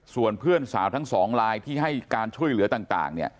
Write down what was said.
ส่วนเพื่อนสาวทั้งสองลายที่ให้การช่วยเหลือต่าง